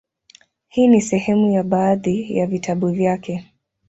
Hii ni sehemu ya baadhi ya vitabu vyake;